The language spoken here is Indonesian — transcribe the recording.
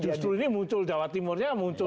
justru ini muncul jawa timurnya muncul